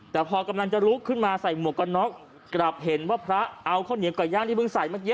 แต่พอกำลังจะลุกขึ้นมาใส่หมวกกันน็อกกลับเห็นว่าพระเอาข้าวเหนียวไก่ย่างที่เพิ่งใส่เมื่อกี้